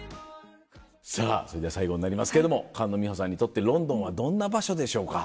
それでは最後になりますけれども菅野美穂さんにとってロンドンはどんな場所でしょうか？